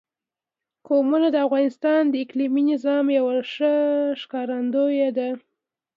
قومونه د افغانستان د اقلیمي نظام یوه ښه ښکارندوی ده.